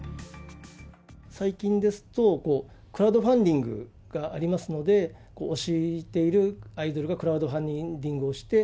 最近ですと、クラウドファンディングがありますので、推しているアイドルがクラウドファンディングをして、